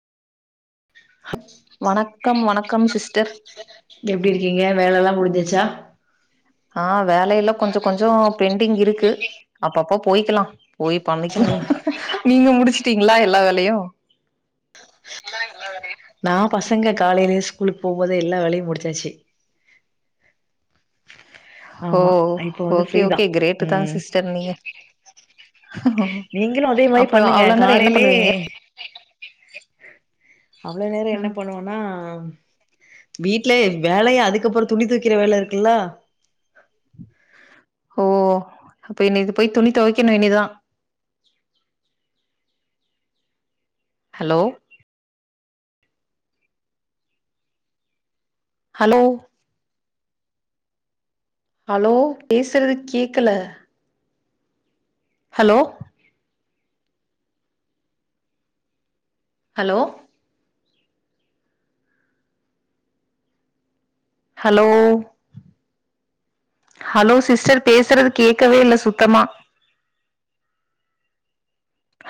வணக்கம் வணக்கம் சிஸ்டர் எ இருக்கீங்க வேலை எல்லாம் முடிஞ்சச்சா ஆஹ் வேல எல்லாம் கொஞ்சம் கொஞ்சம் பெண்டிங் இருக்கு அப்பப்ப போய்க்கலாம் போய் பசங்க பண்ணிக்கலாம் நீங்க முடிச்சு ட்டீங்களா எல்லா வேலையும் நான் பசங்க காலையிலயே ஸ்கூலுக்கு போகும்போத எல்லா வேலையும் முடிச்சாச்சு ஹ ஆமா இப்போ வந்து ஓகே ஃப்ரீதா ஓகே கிரேட தான் ம் சிஸ்டர் நீங்க நீங்களு அதே மாரி அப்புறம் பண்ணுங்க அவ்ளோ நேரம் என்ன காலையிலே பண்ணுவீங்க அவ்வளவு நேரம் என்ன ம் பண்ணுவோனா வீட்ல வேலைய அதுக்கப்புறம் துணி தூக்கிற வேலை இருக்குல்லா ஓ அப்ப என்ன இது போய் துணி துவைக்கணும் இனிதான் ஹலோ ஹலோ ஹலோ பேசுறது கேக்கல hello hello hello hello sister பேசுறது கேட்கவே இல்ல சுத்தமா